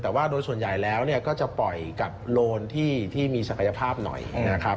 แต่ว่าโดยส่วนใหญ่แล้วก็จะปล่อยกับโลนที่มีศักยภาพหน่อยนะครับ